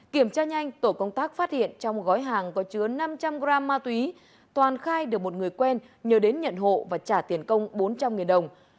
kiểm tra nhanh tổ công tác phát hiện trong gói hàng có chứa năm trăm linh gram ma túy toàn khai được một người quen nhờ đến nhận hộ và trả tiền công bốn trăm linh đồng